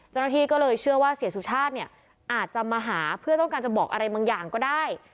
เจ้าหน้าที่ก็เลยเชื่อว่าเสียสุชาติเนี่ยอาจจะมาหาเพื่อต้องการจะบอกอะไรบางอย่างก็ได้